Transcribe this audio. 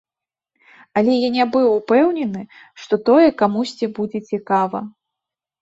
Але я не быў упэўнены, што тое камусьці будзе цікава.